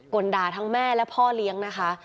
่นด่าทั้งแม่และพ่อเลี้ยงนะคะ